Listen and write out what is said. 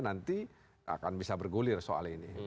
nanti akan bisa bergulir soal ini